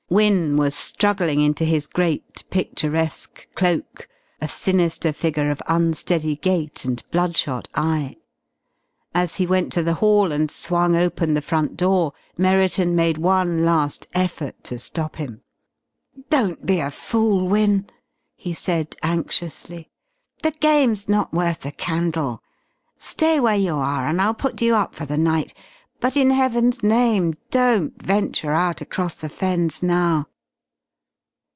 Wynne was struggling into his great, picturesque cloak, a sinister figure of unsteady gait and blood shot eye. As he went to the hall and swung open the front door, Merriton made one last effort to stop him. "Don't be a fool, Wynne," he said anxiously. "The game's not worth the candle. Stay where you are and I'll put you up for the night, but in Heaven's name don't venture out across the Fens now."